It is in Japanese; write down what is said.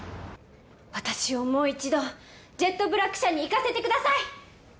私をもう一度ジェットブラック社に行かせてください！